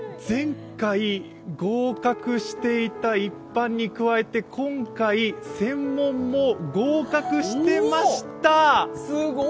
前回、合格していた一般に加えて今回、専門も合格してました！